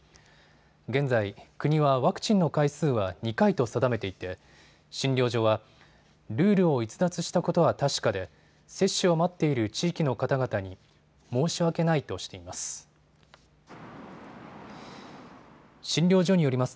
現在、国はワクチンの回数は２回と定めていて診療所はルールを逸脱したことは確かで接種を待っている地域の方々に申し訳ないとしています。